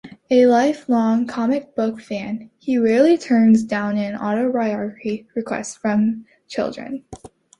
A lifelong comic book fan, he rarely turns down an autograph request from children.